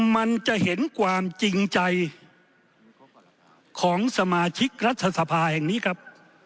มันจะเห็นความจริงใจของสมาชิกรัฐสภาแห่งนี้ครับ